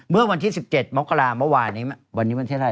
เมื่อวันที่๑๗มกว่านี้วันนี้วันที่ไหนอ่ะ๑๗